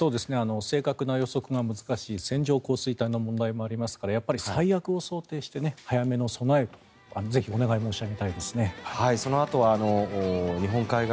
正確な予測が難しい線状降水帯の問題もありますからやっぱり最悪を想定して早めの備えをミニスカート陸上２０２２・夏！